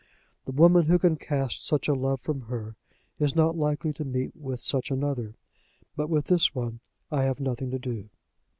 The woman who can cast such a love from her is not likely to meet with such another. But with this one I have nothing to do.